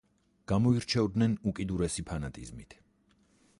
გამოირჩეოდნენ უკიდურესი ფანატიზმით.